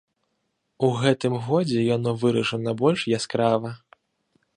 У гэтым годзе яно выражана больш яскрава.